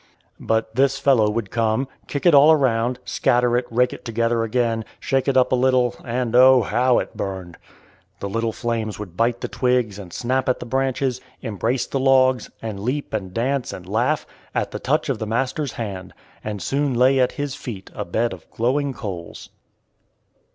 But this fellow would come, kick it all around, scatter it, rake it together again, shake it up a little, and oh, how it burned! The little flames would bite the twigs and snap at the branches, embrace the logs, and leap and dance and laugh, at the touch of the master's hand, and soon lay at his feet a bed of glowing coals.